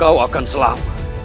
kau akan selamat